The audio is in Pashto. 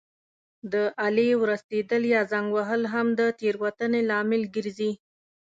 د آلې ورستېدل یا زنګ وهل هم د تېروتنې لامل ګرځي.